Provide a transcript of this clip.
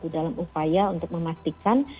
dalam upaya untuk memastikan